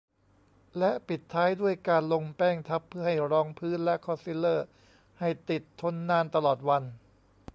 และปิดท้ายด้วยการลงแป้งทับเพื่อให้รองพื้น และคอนซีลเลอร์ ให้ติดทนนานตลอดวัน